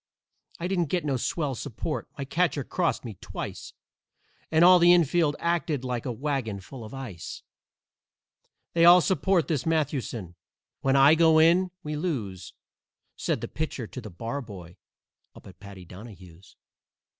I didn't get no swell support; my catcher crossed me twice And all the infield acted like a wagon full of ice. They all support this Mathewson. When I go in we lose!" Said the Pitcher to the Barboy up at Paddy Donahue's.